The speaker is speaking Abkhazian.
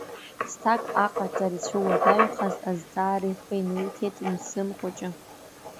Зҭак аҟаҵара ицәуадаҩхаз азҵаара ихы инеиҭеит Мсым Хәыҷы.